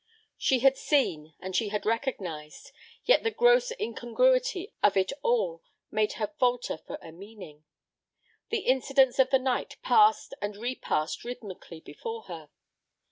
She had seen and she had recognized, yet the gross incongruity of it all made her falter for a meaning. The incidents of the night passed and repassed rhythmically before her.